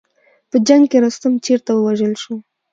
په جنګ کې رستم چېرته ووژل شو.